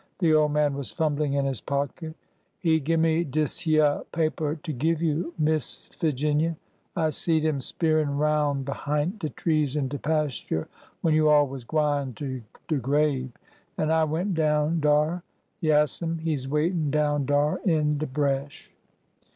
The old man was fumbling in his pocket. '' He gimme dis hyeah paper to give you, Miss Figinia. I seed him speerin' roun' behint de trees in de pasture when you all was gwine to de grave, and I went down dar. Yaas'm, he 's waitin' down dar in de bresh."